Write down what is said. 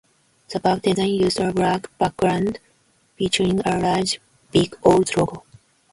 The bag design used a black background featuring a large Big O's logo.